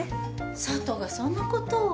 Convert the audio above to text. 佐都がそんなことを